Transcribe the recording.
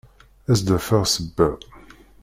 Ad s-d-afeɣ ssebba.